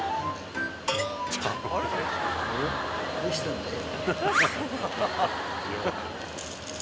どうしたんだよ。